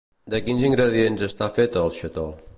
De quins ingredients està fet el xató?